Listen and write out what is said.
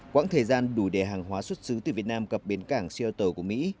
quãng thời gian đủ để hàng hóa xuất xứ từ việt nam gặp biến cảng siêu tàu của mỹ